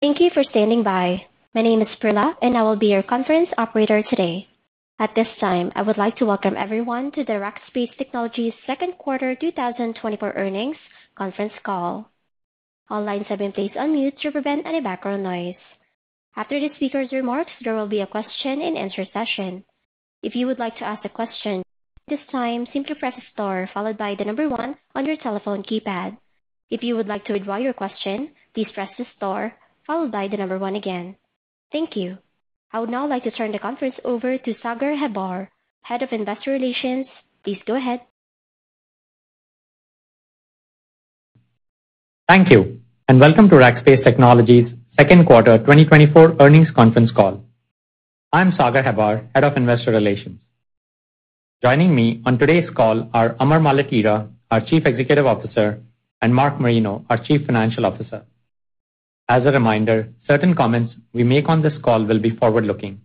Thank you for standing by. My name is Perla, and I will be your conference operator today. At this time, I would like to welcome everyone to the Rackspace Technology Second Quarter 2024 Earnings Conference Call. All lines have been placed on mute to prevent any background noise. After the speaker's remarks, there will be a question-and-answer session. If you would like to ask a question at this time, simply press star followed by the number 1 on your telephone keypad. If you would like to withdraw your question, please press the star followed by the number 1 again. Thank you. I would now like to turn the conference over to Sagar Hebbar, Head of Investor Relations. Please go ahead. Thank you, and welcome to Rackspace Technology's second quarter 2024 earnings conference call. I'm Sagar Hebbar, Head of Investor Relations. Joining me on today's call are Amar Maletira, our Chief Executive Officer, and Mark Marino, our Chief Financial Officer. As a reminder, certain comments we make on this call will be forward-looking.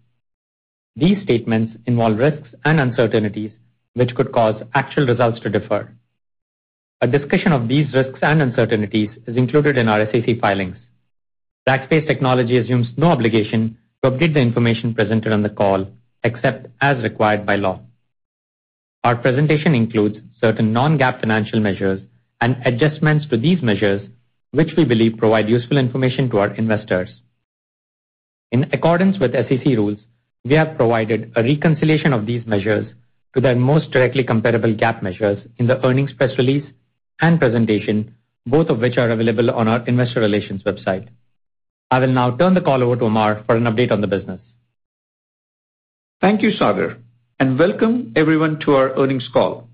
These statements involve risks and uncertainties, which could cause actual results to differ. A discussion of these risks and uncertainties is included in our SEC filings. Rackspace Technology assumes no obligation to update the information presented on the call, except as required by law. Our presentation includes certain non-GAAP financial measures and adjustments to these measures, which we believe provide useful information to our investors. In accordance with SEC rules, we have provided a reconciliation of these measures to their most directly comparable GAAP measures in the earnings press release and presentation, both of which are available on our investor relations website. I will now turn the call over to Amar for an update on the business. Thank you, Sagar, and welcome everyone to our earnings call.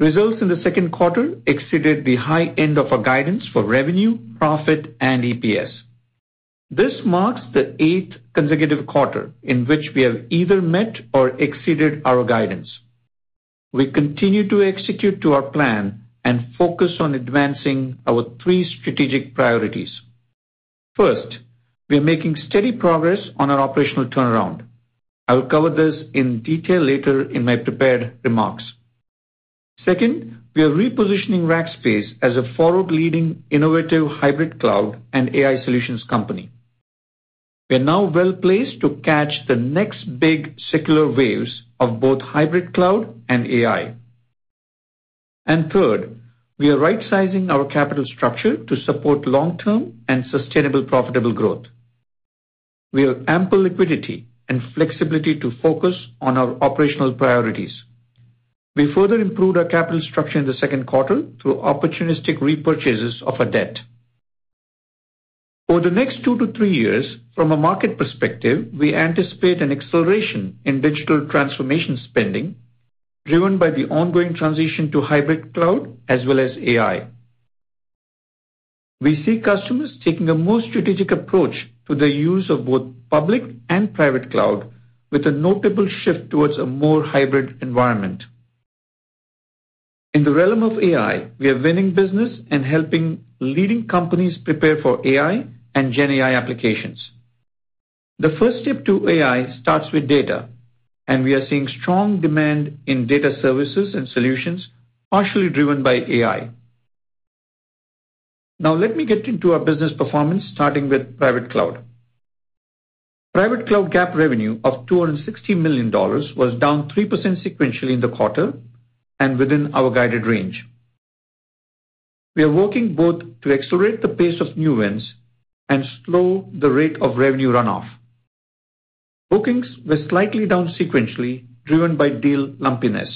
Results in the second quarter exceeded the high end of our guidance for revenue, profit, and EPS. This marks the eighth consecutive quarter in which we have either met or exceeded our guidance. We continue to execute to our plan and focus on advancing our three strategic priorities. First, we are making steady progress on our operational turnaround. I will cover this in detail later in my prepared remarks. Second, we are repositioning Rackspace as a forward-leading, innovative hybrid cloud and AI solutions company. We are now well-placed to catch the next big secular waves of both hybrid cloud and AI. And third, we are rightsizing our capital structure to support long-term and sustainable profitable growth. We have ample liquidity and flexibility to focus on our operational priorities. We further improved our capital structure in the second quarter through opportunistic repurchases of our debt. Over the next 2-3 years, from a market perspective, we anticipate an acceleration in digital transformation spending, driven by the ongoing transition to hybrid cloud as well as AI. We see customers taking a more strategic approach to the use of both public and private cloud, with a notable shift towards a more hybrid environment. In the realm of AI, we are winning business and helping leading companies prepare for AI and GenAI applications. The first step to AI starts with data, and we are seeing strong demand in data services and solutions, partially driven by AI. Now, let me get into our business performance, starting with private cloud. Private cloud GAAP revenue of $260 million was down 3% sequentially in the quarter and within our guided range. We are working both to accelerate the pace of new wins and slow the rate of revenue runoff. Bookings were slightly down sequentially, driven by deal lumpiness.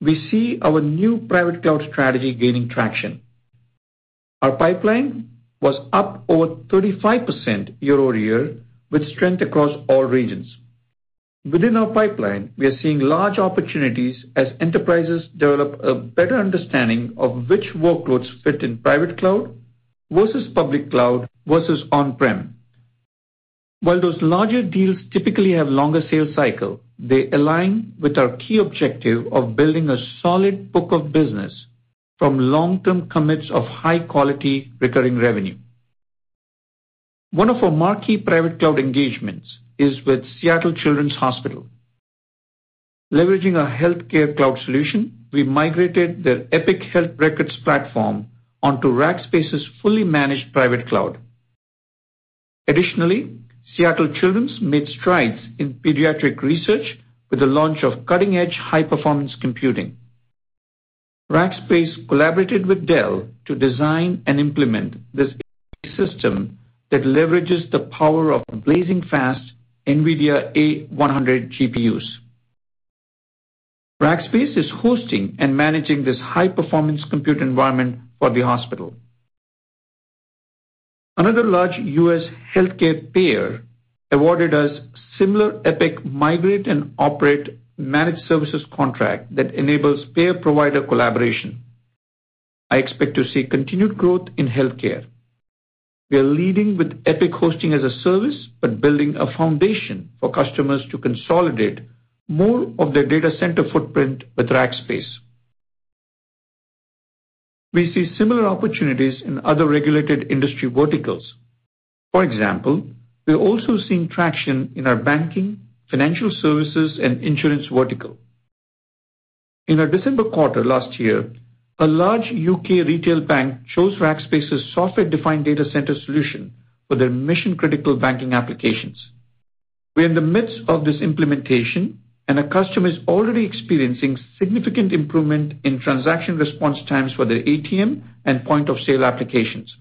We see our new private cloud strategy gaining traction. Our pipeline was up over 35% year-over-year, with strength across all regions. Within our pipeline, we are seeing large opportunities as enterprises develop a better understanding of which workloads fit in private cloud versus public cloud versus on-prem. While those larger deals typically have longer sales cycle, they align with our key objective of building a solid book of business from long-term commits of high-quality recurring revenue. One of our marquee private cloud engagements is with Seattle Children's Hospital. Leveraging our healthcare cloud solution, we migrated their Epic health records platform onto Rackspace's fully managed private cloud. Additionally, Seattle Children's made strides in pediatric research with the launch of cutting-edge high-performance computing. Rackspace collaborated with Dell to design and implement this system that leverages the power of blazing fast NVIDIA A100 GPUs. Rackspace is hosting and managing this high-performance compute environment for the hospital. Another large U.S. healthcare payer awarded us similar Epic migrate and operate managed services contract that enables payer-provider collaboration. I expect to see continued growth in healthcare. We are leading with Epic hosting as a service, but building a foundation for customers to consolidate more of their data center footprint with Rackspace. We see similar opportunities in other regulated industry verticals. For example, we are also seeing traction in our banking, financial services, and insurance vertical.... In our December quarter last year, a large UK retail bank chose Rackspace's software-defined data center solution for their mission-critical banking applications. We're in the midst of this implementation, and the customer is already experiencing significant improvement in transaction response times for their ATM and point-of-sale applications.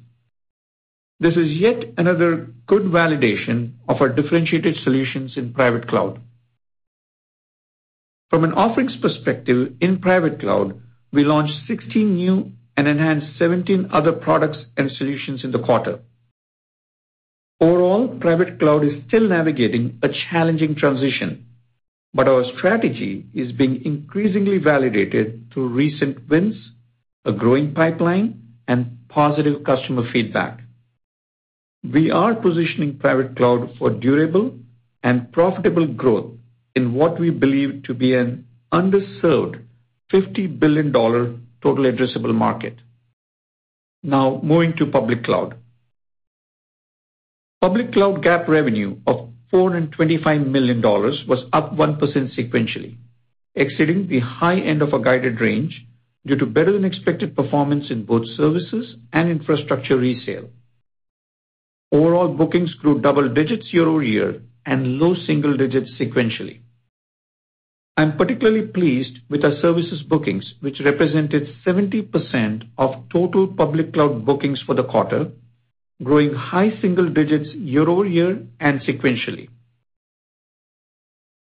This is yet another good validation of our differentiated solutions in private cloud. From an offerings perspective in private cloud, we launched 16 new and enhanced 17 other products and solutions in the quarter. Overall, private cloud is still navigating a challenging transition, but our strategy is being increasingly validated through recent wins, a growing pipeline, and positive customer feedback. We are positioning private cloud for durable and profitable growth in what we believe to be an underserved $50 billion total addressable market. Now, moving to public cloud. Public cloud GAAP revenue of $425 million was up 1% sequentially, exceeding the high end of our guided range due to better-than-expected performance in both services and infrastructure resale. Overall bookings grew double digits year-over-year and low single digits sequentially. I'm particularly pleased with our services bookings, which represented 70% of total public cloud bookings for the quarter, growing high single digits year-over-year and sequentially.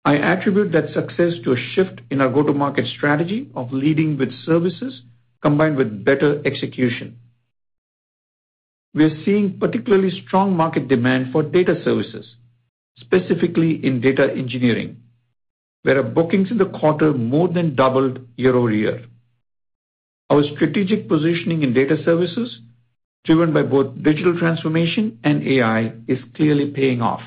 I attribute that success to a shift in our go-to-market strategy of leading with services, combined with better execution. We are seeing particularly strong market demand for data services, specifically in data engineering, where our bookings in the quarter more than doubled year-over-year. Our strategic positioning in data services, driven by both digital transformation and AI, is clearly paying off.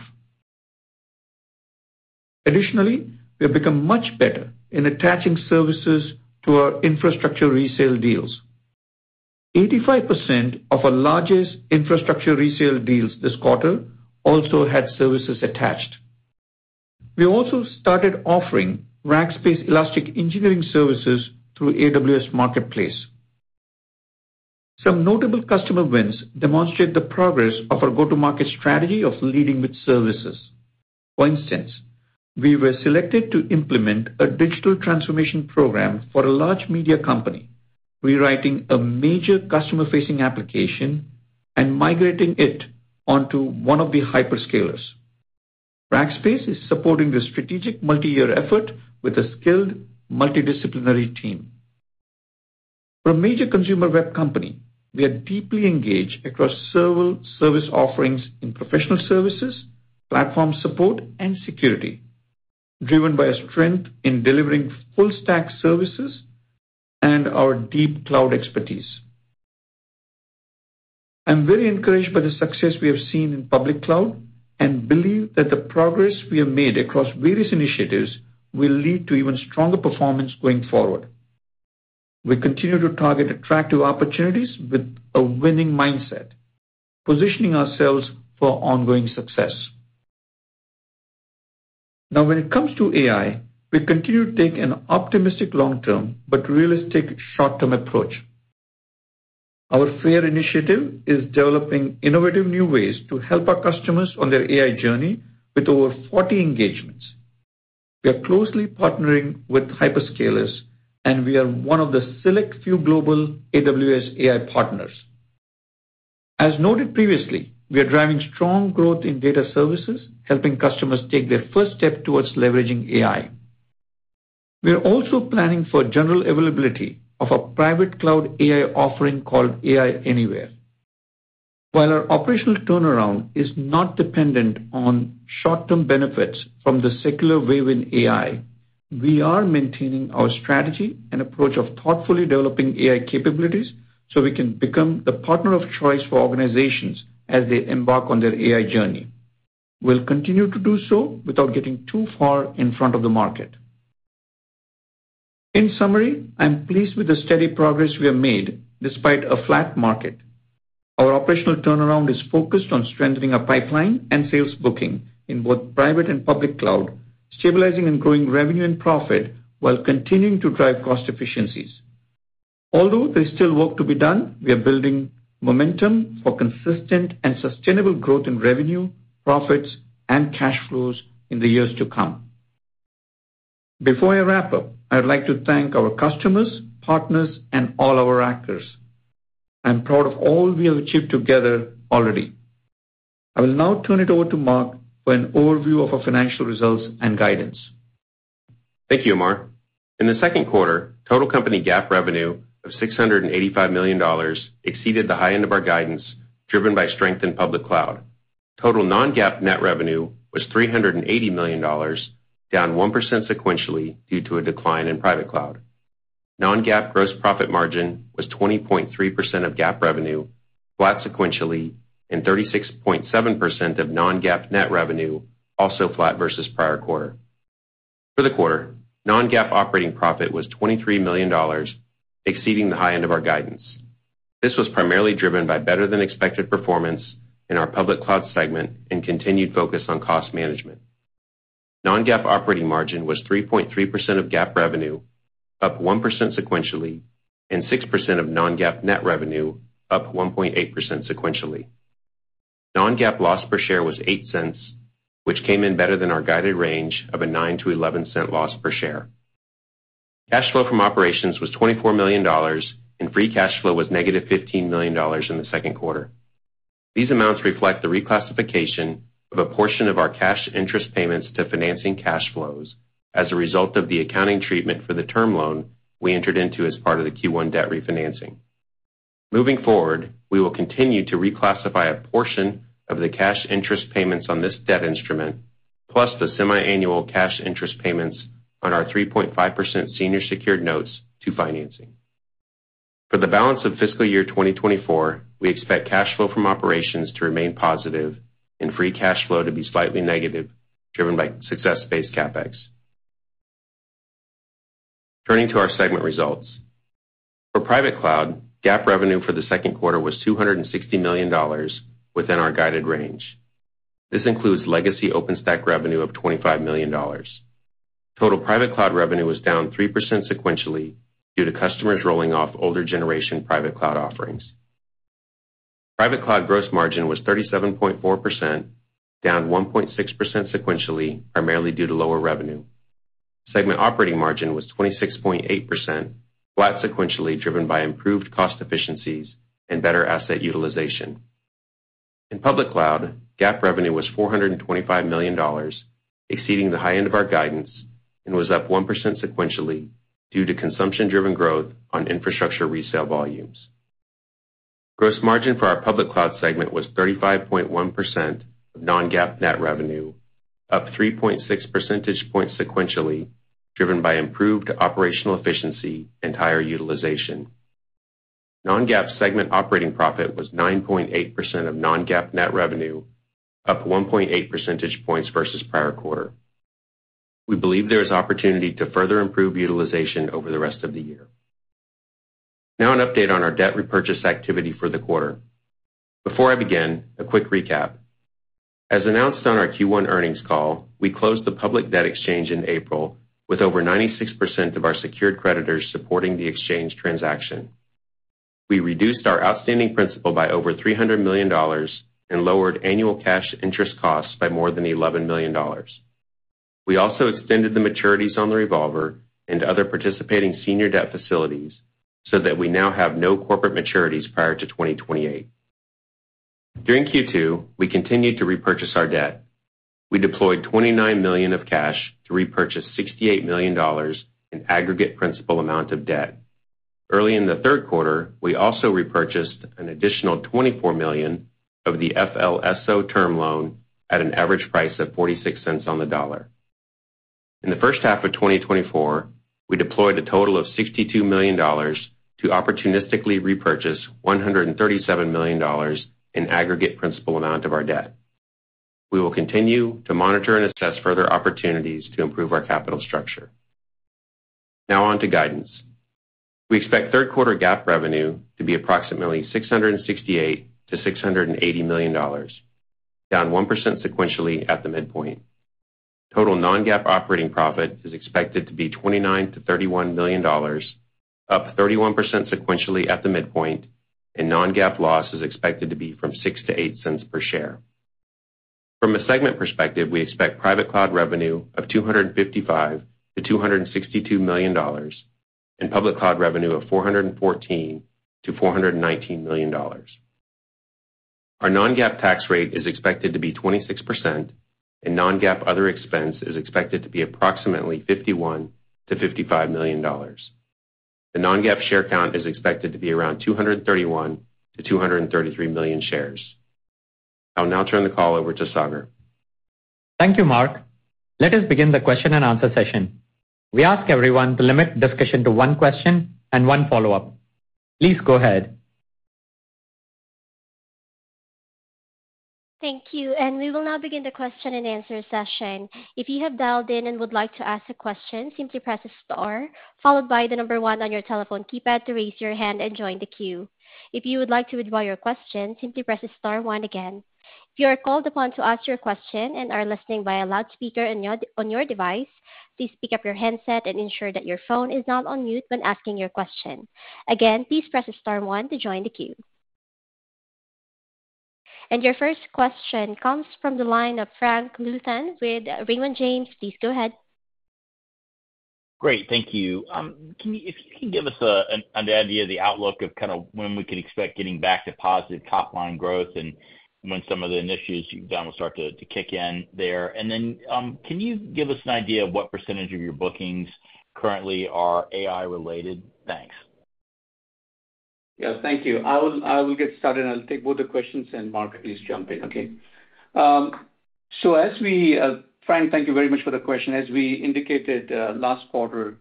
Additionally, we have become much better in attaching services to our infrastructure resale deals. 85% of our largest infrastructure resale deals this quarter also had services attached. We also started offering Rackspace Elastic Engineering services through AWS Marketplace. Some notable customer wins demonstrate the progress of our go-to-market strategy of leading with services. For instance, we were selected to implement a digital transformation program for a large media company, rewriting a major customer-facing application and migrating it onto one of the hyperscalers. Rackspace is supporting this strategic multiyear effort with a skilled, multidisciplinary team. For a major consumer web company, we are deeply engaged across several service offerings in professional services, platform support, and security, driven by a strength in delivering full-stack services and our deep cloud expertise. I'm very encouraged by the success we have seen in public cloud and believe that the progress we have made across various initiatives will lead to even stronger performance going forward. We continue to target attractive opportunities with a winning mindset, positioning ourselves for ongoing success. Now, when it comes to AI, we continue to take an optimistic long-term but realistic short-term approach. Our FAIR initiative is developing innovative new ways to help our customers on their AI journey with over 40 engagements. We are closely partnering with hyperscalers, and we are one of the select few global AWS AI partners. As noted previously, we are driving strong growth in data services, helping customers take their first step towards leveraging AI. We are also planning for general availability of our private cloud AI offering called AI Anywhere. While our operational turnaround is not dependent on short-term benefits from the secular wave in AI, we are maintaining our strategy and approach of thoughtfully developing AI capabilities, so we can become the partner of choice for organizations as they embark on their AI journey. We'll continue to do so without getting too far in front of the market. In summary, I'm pleased with the steady progress we have made despite a flat market. Our operational turnaround is focused on strengthening our pipeline and sales booking in both private and public cloud, stabilizing and growing revenue and profit, while continuing to drive cost efficiencies. Although there's still work to be done, we are building momentum for consistent and sustainable growth in revenue, profits, and cash flows in the years to come. Before I wrap up, I'd like to thank our customers, partners, and all our Rackers. I'm proud of all we have achieved together already. I will now turn it over to Mark for an overview of our financial results and guidance. Thank you, Amar. In the second quarter, total company GAAP revenue of $685 million exceeded the high end of our guidance, driven by strength in public cloud. Total non-GAAP net revenue was $380 million, down 1% sequentially due to a decline in private cloud. Non-GAAP gross profit margin was 20.3% of GAAP revenue, flat sequentially, and 36.7% of non-GAAP net revenue, also flat versus prior quarter. For the quarter, non-GAAP operating profit was $23 million, exceeding the high end of our guidance. This was primarily driven by better than expected performance in our public cloud segment and continued focus on cost management. Non-GAAP operating margin was 3.3% of GAAP revenue, up 1% sequentially, and 6% of non-GAAP net revenue, up 1.8% sequentially. Non-GAAP loss per share was $0.08, which came in better than our guided range of a $0.09-$0.11 loss per share. Cash flow from operations was $24 million, and free cash flow was -$15 million in the second quarter. These amounts reflect the reclassification of a portion of our cash interest payments to financing cash flows as a result of the accounting treatment for the term loan we entered into as part of the Q1 debt refinancing. Moving forward, we will continue to reclassify a portion of the cash interest payments on this debt instrument, plus the semiannual cash interest payments on our 3.5% senior secured notes to financing. For the balance of fiscal year 2024, we expect cash flow from operations to remain positive and free cash flow to be slightly negative, driven by success-based CapEx. Turning to our segment results. For private cloud, GAAP revenue for the second quarter was $260 million within our guided range. This includes legacy OpenStack revenue of $25 million. Total private cloud revenue was down 3% sequentially due to customers rolling off older generation private cloud offerings. Private cloud gross margin was 37.4%, down 1.6% sequentially, primarily due to lower revenue. Segment operating margin was 26.8%, flat sequentially, driven by improved cost efficiencies and better asset utilization. In public cloud, GAAP revenue was $425 million, exceeding the high end of our guidance, and was up 1% sequentially due to consumption-driven growth on infrastructure resale volumes. Gross margin for our public cloud segment was 35.1% of non-GAAP net revenue, up 3.6 percentage points sequentially, driven by improved operational efficiency and higher utilization. Non-GAAP segment operating profit was 9.8% of non-GAAP net revenue, up 1.8 percentage points versus prior quarter. We believe there is opportunity to further improve utilization over the rest of the year. Now an update on our debt repurchase activity for the quarter. Before I begin, a quick recap. As announced on our Q1 earnings call, we closed the public debt exchange in April with over 96% of our secured creditors supporting the exchange transaction. We reduced our outstanding principal by over $300 million and lowered annual cash interest costs by more than $11 million. We also extended the maturities on the revolver into other participating senior debt facilities so that we now have no corporate maturities prior to 2028. During Q2, we continued to repurchase our debt. We deployed $29 million of cash to repurchase $68 million in aggregate principal amount of debt. Early in the third quarter, we also repurchased an additional $24 million of the FLSO term loan at an average price of $0.46 on the dollar. In the first half of 2024, we deployed a total of $62 million to opportunistically repurchase $137 million in aggregate principal amount of our debt. We will continue to monitor and assess further opportunities to improve our capital structure. Now on to guidance. We expect third quarter GAAP revenue to be approximately $668 million-$680 million, down 1% sequentially at the midpoint. Total non-GAAP operating profit is expected to be $29 million-$31 million, up 31% sequentially at the midpoint, and non-GAAP loss is expected to be from 6-8 cents per share. From a segment perspective, we expect private cloud revenue of $255 million-$262 million, and public cloud revenue of $414 million-$419 million. Our non-GAAP tax rate is expected to be 26%, and non-GAAP other expense is expected to be approximately $51 million-$55 million. The non-GAAP share count is expected to be around 231 million-233 million shares. I'll now turn the call over to Sagar. Thank you, Mark. Let us begin the question-and-answer session. We ask everyone to limit discussion to one question and one follow-up. Please go ahead. Thank you, and we will now begin the question-and-answer session. If you have dialed in and would like to ask a question, simply press star, followed by the number one on your telephone keypad to raise your hand and join the queue. If you would like to withdraw your question, simply press star one again. If you are called upon to ask your question and are listening via loudspeaker on your device, please pick up your handset and ensure that your phone is not on mute when asking your question. Again, please press star one to join the queue. And your first question comes from the line of Frank Louthan with Raymond James. Please go ahead. Great, thank you. Can you give us an idea of the outlook of kind of when we can expect getting back to positive top-line growth and when some of the initiatives you've done will start to kick in there. And then, can you give us an idea of what percentage of your bookings currently are AI related? Thanks. Yeah, thank you. I will, I will get started, and I'll take both the questions, and Mark, please jump in. Okay. So as we, Frank, thank you very much for the question. As we indicated last quarter,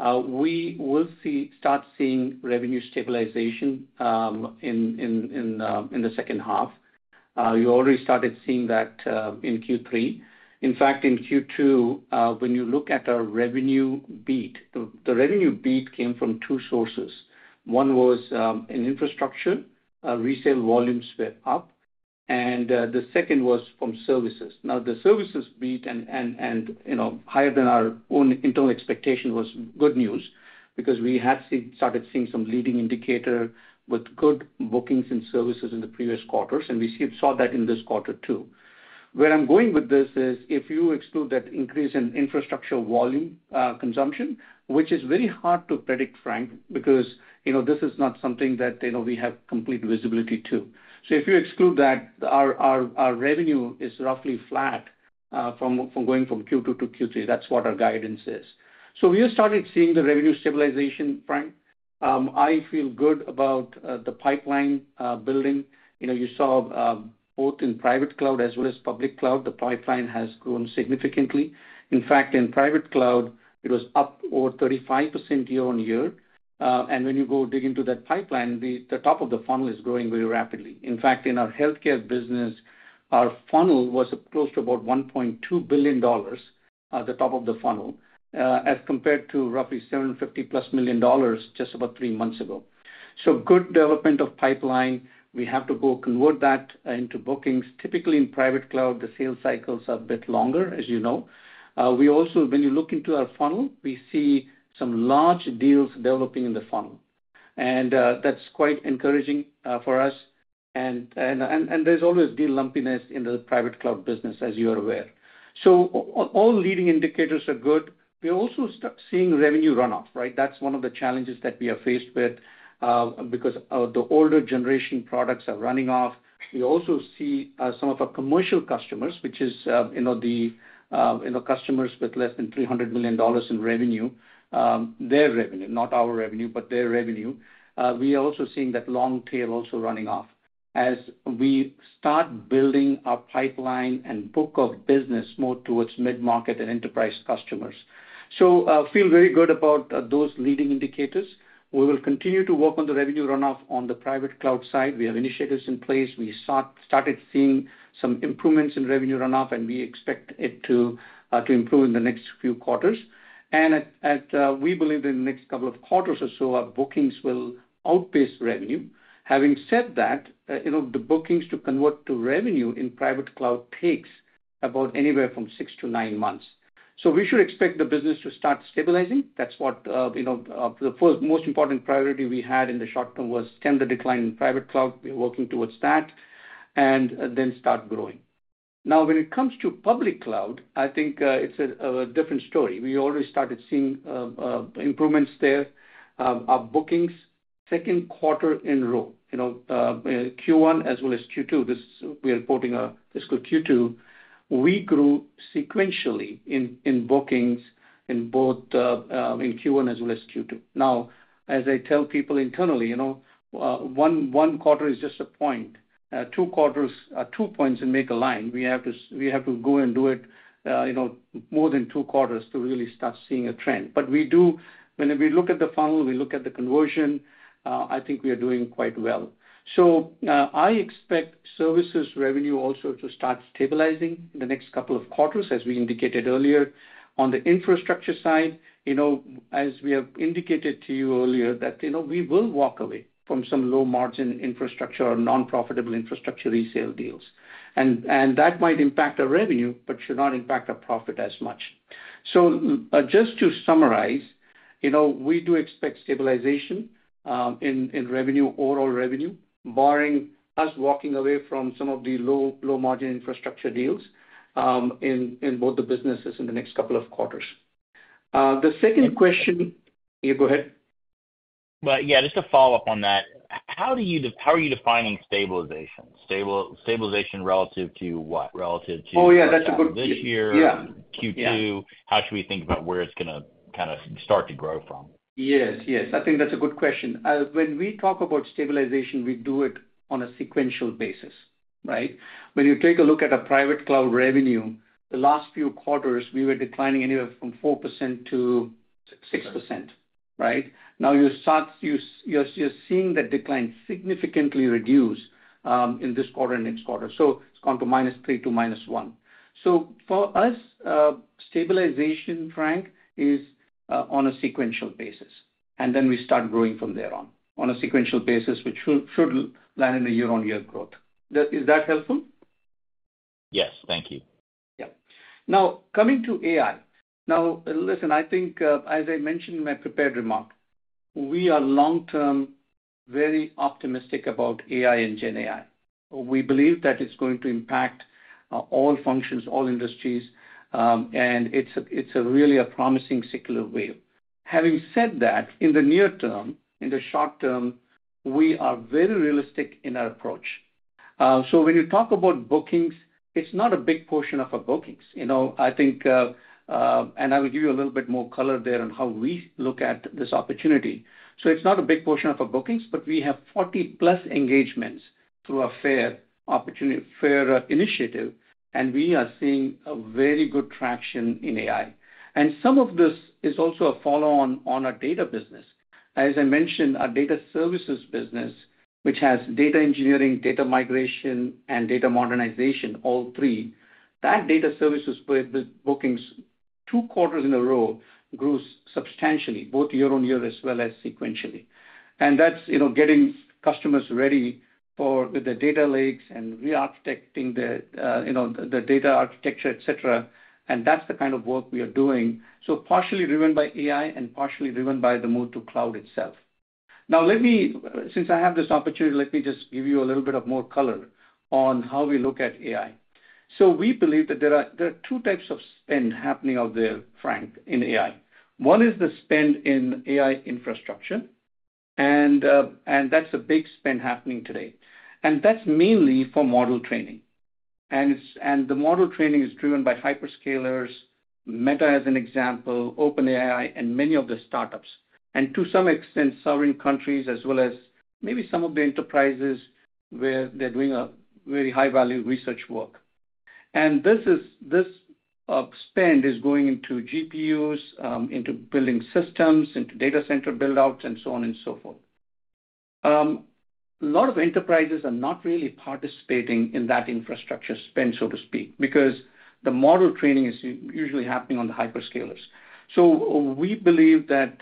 we will start seeing revenue stabilization in the second half. you already started seeing that in Q3. In fact, in Q2, when you look at our revenue beat, the revenue beat came from two sources. One was in infrastructure, resale volumes were up, and the second was from services. Now, the services beat, you know, higher than our own internal expectation was good news because we have seen—started seeing some leading indicator with good bookings and services in the previous quarters, and we see—saw that in this quarter, too. Where I'm going with this is, if you exclude that increase in infrastructure volume, consumption, which is very hard to predict, Frank, because, you know, this is not something that, you know, we have complete visibility to. So if you exclude that, our revenue is roughly flat from going from Q2 to Q3. That's what our guidance is. So we have started seeing the revenue stabilization, Frank. I feel good about the pipeline building. You know, you saw both in private cloud as well as public cloud, the pipeline has grown significantly. In fact, in private cloud, it was up over 35% year-on-year. And when you go dig into that pipeline, the top of the funnel is growing very rapidly. In fact, in our healthcare business, our funnel was close to about $1.2 billion at the top of the funnel, as compared to roughly $750+ million just about three months ago. So good development of pipeline. We have to go convert that into bookings. Typically, in private cloud, the sales cycles are a bit longer, as you know. We also, when you look into our funnel, we see some large deals developing in the funnel, and that's quite encouraging for us. And there's always deal lumpiness in the private cloud business, as you are aware. All leading indicators are good. We're also start seeing revenue run off, right? That's one of the challenges that we are faced with, because of the older generation products are running off. We also see some of our commercial customers, which is, you know, the, you know, customers with less than $300 million in revenue, their revenue, not our revenue, but their revenue. We are also seeing that long tail also running off as we start building our pipeline and book of business more towards mid-market and enterprise customers. So, feel very good about those leading indicators. We will continue to work on the revenue runoff on the private cloud side. We have initiatives in place. We started seeing some improvements in revenue runoff, and we expect it to improve in the next few quarters. And we believe in the next couple of quarters or so, our bookings will outpace revenue. Having said that, you know, the bookings to convert to revenue in private cloud takes about anywhere from six to nine months. So we should expect the business to start stabilizing. That's what, you know, the first most important priority we had in the short term was stem the decline in private cloud. We're working towards that and then start growing. Now, when it comes to public cloud, I think, it's a different story. We already started seeing improvements there. Our bookings, second quarter in a row, you know, Q1 as well as Q2, this we are reporting a fiscal Q2. We grew sequentially in bookings in both in Q1 as well as Q2. Now, as I tell people internally, you know, one quarter is just a point, two quarters, two points and make a line. We have to go and do it, you know, more than two quarters to really start seeing a trend. But we do. When we look at the funnel, we look at the conversion, I think we are doing quite well. So, I expect services revenue also to start stabilizing in the next couple of quarters, as we indicated earlier. On the infrastructure side, you know, as we have indicated to you earlier, that, you know, we will walk away from some low-margin infrastructure or non-profitable infrastructure resale deals. And that might impact our revenue, but should not impact our profit as much. So, just to summarize, you know, we do expect stabilization, in revenue, overall revenue, barring us walking away from some of the low-margin infrastructure deals, in both the businesses in the next couple of quarters. The second question-- Yeah, go ahead. But yeah, just to follow up on that, how are you defining stabilization? Stabilization relative to what? Relative to- Oh, yeah, that's a good- this year. Yeah. Q2. Yeah. How should we think about where it's gonna kinda start to grow from? Yes, yes. I think that's a good question. When we talk about stabilization, we do it on a sequential basis, right? When you take a look at private cloud revenue, the last few quarters, we were declining anywhere from 4% to 6%, right? Now, you're seeing that decline significantly reduce in this quarter and next quarter. So it's gone to -3% to -1%. So for us, stabilization, Frank, is on a sequential basis, and then we start growing from there on a sequential basis, which should land in a year-on-year growth. Is that helpful? Yes, thank you. Yeah. Now, coming to AI. Now, listen, I think, as I mentioned in my prepared remark, we are long-term, very optimistic about AI and GenAI. We believe that it's going to impact, all functions, all industries, and it's a, it's a really a promising secular wave. Having said that, in the near term, in the short term, we are very realistic in our approach. So when you talk about bookings, it's not a big portion of our bookings. You know, I think... And I will give you a little bit more color there on how we look at this opportunity. So it's not a big portion of our bookings, but we have 40+ engagements through our FAIR opportunity, FAIR initiative, and we are seeing a very good traction in AI. And some of this is also a follow-on on our data business... As I mentioned, our data services business, which has data engineering, data migration, and data modernization, all three, that data services with bookings two quarters in a row, grew substantially, both year-on-year as well as sequentially. And that's, you know, getting customers ready for the data lakes and re-architecting the, you know, the data architecture, et cetera. And that's the kind of work we are doing. So partially driven by AI and partially driven by the move to cloud itself. Now, let me, since I have this opportunity, let me just give you a little bit of more color on how we look at AI. So we believe that there are, there are two types of spend happening out there, Frank, in AI. One is the spend in AI infrastructure, and, and that's a big spend happening today, and that's mainly for model training. And the model training is driven by hyperscalers, Meta as an example, OpenAI, and many of the startups, and to some extent, sovereign countries, as well as maybe some of the enterprises, where they're doing a very high-value research work. And this spend is going into GPUs, into building systems, into data center build-outs, and so on and so forth. A lot of enterprises are not really participating in that infrastructure spend, so to speak, because the model training is usually happening on the hyperscalers. So we believe that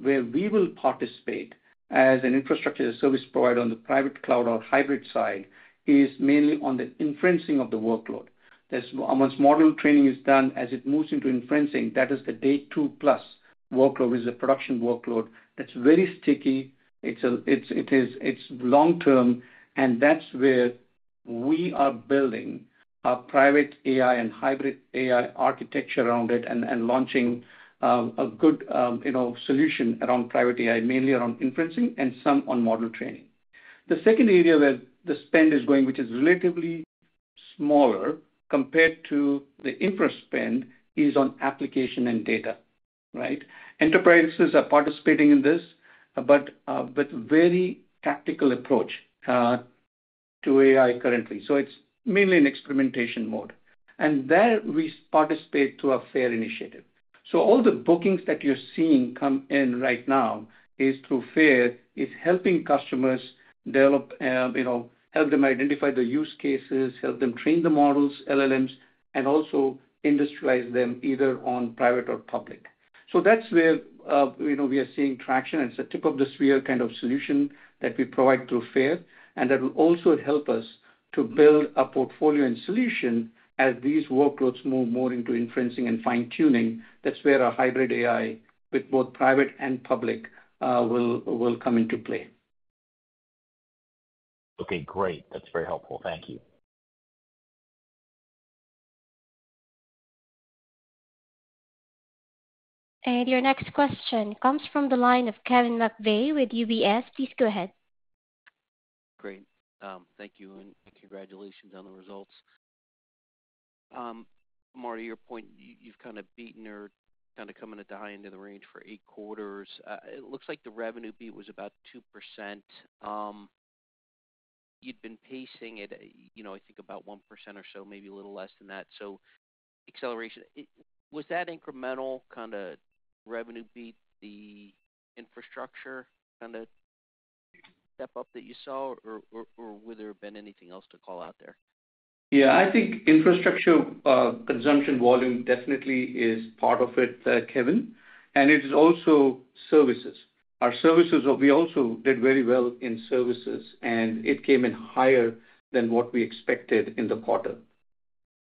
where we will participate as an infrastructure as a service provider on the private cloud or hybrid side is mainly on the inferencing of the workload. As once model training is done, as it moves into inferencing, that is the day two-plus workload, is the production workload. That's very sticky. It's long term, and that's where we are building our private AI and hybrid AI architecture around it and launching a good, you know, solution around private AI, mainly around inferencing and some on model training. The second area where the spend is going, which is relatively smaller compared to the infra spend, is on application and data, right? Enterprises are participating in this, but but very tactical approach to AI currently. So it's mainly in experimentation mode, and there we participate through our FAIR initiative. So all the bookings that you're seeing come in right now is through FAIR. It's helping customers develop, you know, help them identify the use cases, help them train the models, LLMs, and also industrialize them either on private or public. So that's where, you know, we are seeing traction. It's the tip of the spear kind of solution that we provide through FAIR, and that will also help us to build a portfolio and solution as these workloads move more into inferencing and fine-tuning. That's where our hybrid AI, with both private and public, will come into play. Okay, great. That's very helpful. Thank you. Your next question comes from the line of Kevin McVeigh with UBS. Please go ahead. Great. Thank you, and congratulations on the results. Mark, your point, you've kind of beaten or kind of coming at the high end of the range for 8 quarters. It looks like the revenue beat was about 2%. You'd been pacing it, you know, I think about 1% or so, maybe a little less than that. So acceleration. It was that incremental kinda revenue beat, the infrastructure, kinda step up that you saw, or, or, or would there have been anything else to call out there? Yeah, I think infrastructure consumption volume definitely is part of it, Kevin, and it is also services. Our services we also did very well in services, and it came in higher than what we expected in the quarter.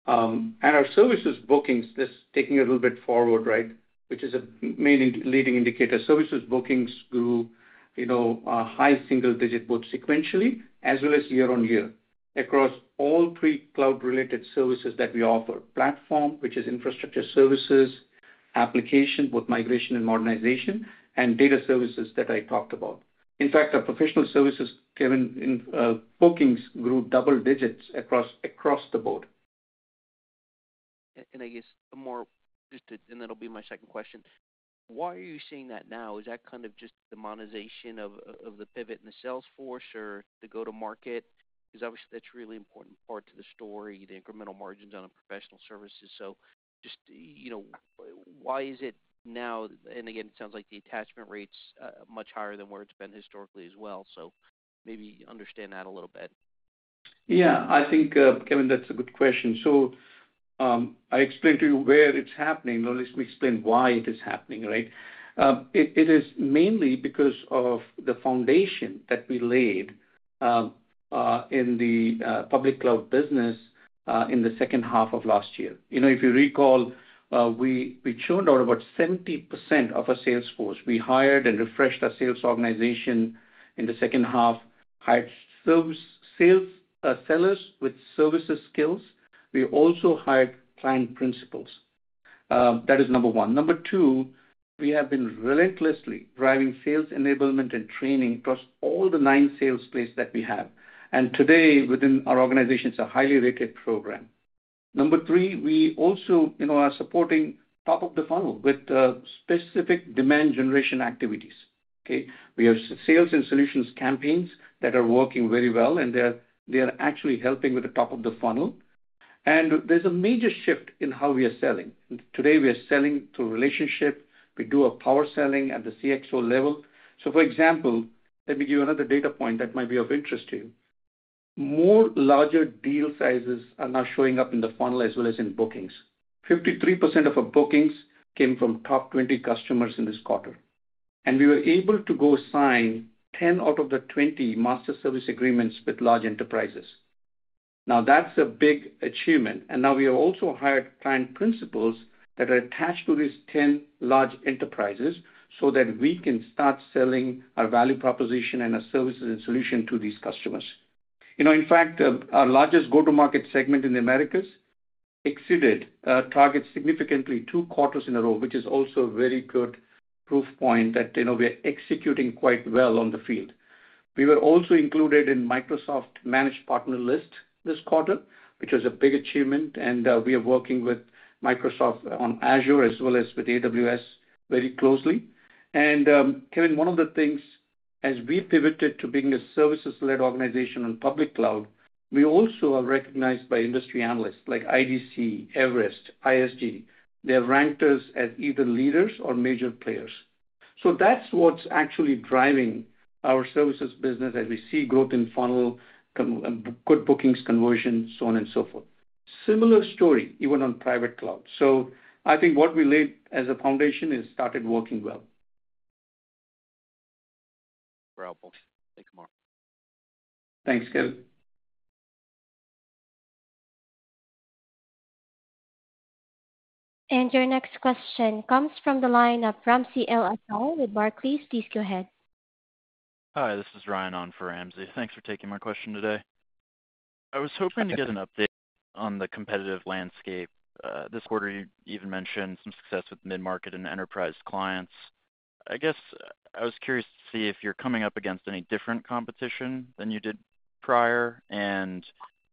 And our services bookings, this taking a little bit forward, right, which is a main leading indicator. Services bookings grew, you know, a high single digit, both sequentially as well as year-on-year, across all three cloud-related services that we offer. Platform, which is infrastructure services, application, both migration and modernization, and data services that I talked about. In fact, our professional services, Kevin, in bookings, grew double digits across the board. And that'll be my second question: Why are you seeing that now? Is that kind of just the monetization of the pivot in the sales force or the go-to-market? Because obviously, that's a really important part to the story, the incremental margins on a professional services. So just, you know, why is it now? And again, it sounds like the attachment rate's much higher than where it's been historically as well. So maybe understand that a little bit. Yeah, I think, Kevin, that's a good question. So, I explained to you where it's happening. Now let me explain why it is happening, right? It is mainly because of the foundation that we laid in the public cloud business in the second half of last year. You know, if you recall, we churned out about 70% of our sales force. We hired and refreshed our sales organization in the second half, hired sales sellers with services skills. We also hired client principals. That is number one. Number two, we have been relentlessly driving sales enablement and training across all the nine salesplays that we have, and today, within our organization, it's a highly rated program. Number three, we also, you know, are supporting top of the funnel with specific demand generation activities. Okay? We have sales and solutions campaigns that are working very well, and they are, they are actually helping with the top of the funnel. And there's a major shift in how we are selling. Today, we are selling through relationship. We do a power selling at the CxO level. So, for example, let me give you another data point that might be of interest to you. More larger deal sizes are now showing up in the funnel as well as in bookings. 53% of our bookings came from top 20 customers in this quarter, and we were able to go sign 10 out of the 20 master service agreements with large enterprises. Now, that's a big achievement. And now we have also hired client principals that are attached to these 10 large enterprises so that we can start selling our value proposition and our services and solution to these customers. You know, in fact, our largest go-to-market segment in the Americas exceeded targets significantly 2 quarters in a row, which is also a very good proof point that, you know, we are executing quite well on the field. We were also included in Microsoft Managed Partner list this quarter, which was a big achievement, and we are working with Microsoft on Azure as well as with AWS very closely. Kevin, one of the things as we pivoted to being a services-led organization on public cloud, we also are recognized by industry analysts like IDC, Everest, ISG. They have ranked us as either leaders or major players. That's what's actually driving our services business as we see growth in funnel, good bookings, conversion, so on and so forth. Similar story, even on private cloud. I think what we laid as a foundation has started working well. Thanks a lot. Thanks, Kevin. Your next question comes from the line of Ramsey El-Assal with Barclays. Please go ahead. Hi, this is Ryan on for Ramsey. Thanks for taking my question today. I was hoping to get an update on the competitive landscape. This quarter, you even mentioned some success with mid-market and enterprise clients. I guess I was curious to see if you're coming up against any different competition than you did prior, and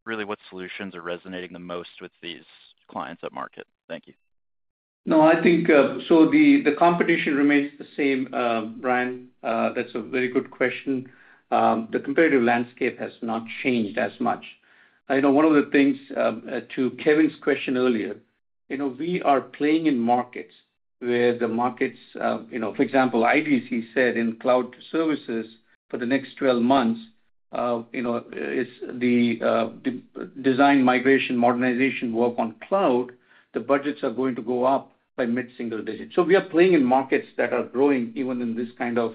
really, what solutions are resonating the most with these clients at market? Thank you. No, I think, so the competition remains the same, Ryan. That's a very good question. The competitive landscape has not changed as much. I know one of the things, to Kevin's question earlier, you know, we are playing in markets where the markets... You know, for example, IDC said in cloud services for the next 12 months, you know, is the design, migration, modernization work on cloud, the budgets are going to go up by mid-single digits. So we are playing in markets that are growing, even in this kind of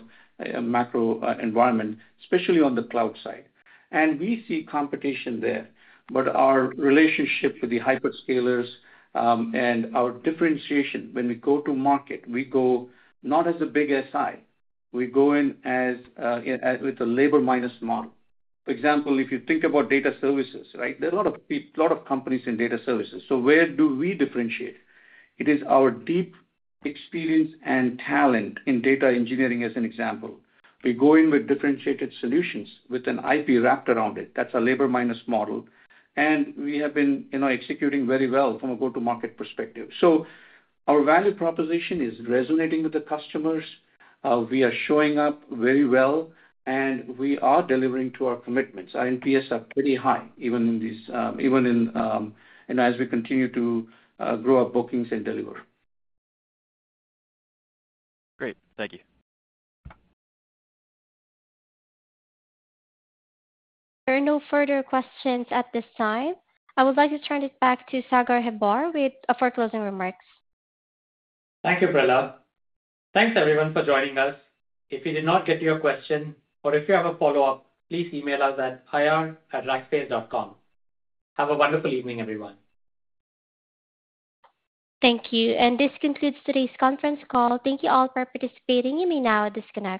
macro environment, especially on the cloud side. And we see competition there, but our relationship with the hyperscalers, and our differentiation, when we go to market, we go not as a big SI, we go in as with a labor minus model. For example, if you think about data services, right? There are a lot of companies in data services. So where do we differentiate? It is our deep experience and talent in data engineering, as an example. We go in with differentiated solutions, with an IP wrapped around it. That's a labor minus model, and we have been, you know, executing very well from a go-to-market perspective. So our value proposition is resonating with the customers, we are showing up very well, and we are delivering to our commitments. Our NPS are pretty high, even in these, even in, and as we continue to grow our bookings and deliver. Great. Thank you. There are no further questions at this time. I would like to turn it back to Sagar Hebbar with, for closing remarks. Thank you, Perla. Thanks, everyone, for joining us. If we did not get to your question or if you have a follow-up, please email us at ir@rackspace.com. Have a wonderful evening, everyone. Thank you. This concludes today's conference call. Thank you all for participating. You may now disconnect.